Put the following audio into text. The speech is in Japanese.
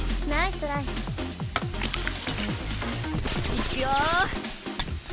いくよ！